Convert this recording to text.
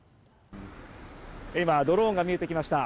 今ドローンが見えてきました。